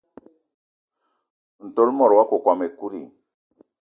Ntol mot wakokóm ekut i?